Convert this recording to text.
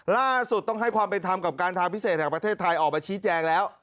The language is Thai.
ล่าสุดต้องให้ความเป็นธรรมกับการทางพิเศษแห่งประเทศไทยออกมาชี้แจงแล้ว